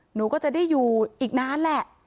หนูก็จะได้อยู่อีกนานแหละ